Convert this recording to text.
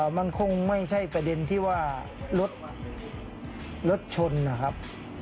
มันคงไม่ใช่ประเด็นที่ว่ารถรถชนนะครับ